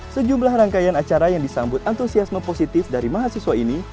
sejumlah rangkaian acara yang disambut antusiasme positif dari mahasiswa ini